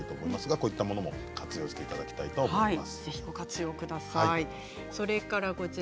こういったものも活用していただければと思います。